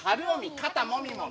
肩もみもみ？